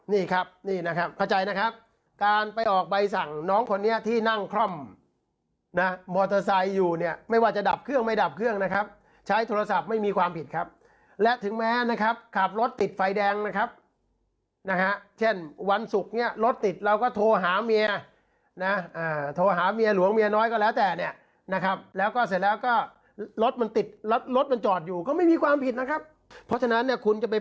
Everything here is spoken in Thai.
นี่ครับนี่นะครับเข้าใจนะครับการไปออกไปสั่งน้องคนนี้ที่นั่งคล่อมนะมอเตอร์ไซด์อยู่เนี่ยไม่ว่าจะดับเครื่องไม่ดับเครื่องนะครับใช้โทรศัพท์ไม่มีความผิดครับและถึงแม้นะครับขับรถติดไฟแดงนะครับนะฮะเช่นวันศุกร์เนี่ยรถติดเราก็โทรหาเมียนะโทรหาเมียหลวงเมียน้อยก็แล้วแต่เนี่ยนะครับแล้วก็